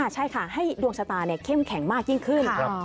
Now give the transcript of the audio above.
ใช่ค่ะให้ดวงชะตาเข้มแข็งมากยิ่งขึ้น